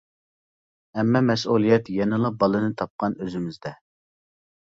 ھەممە مەسئۇلىيەت يەنىلا بالىنى تاپقان ئۆزىمىزدە.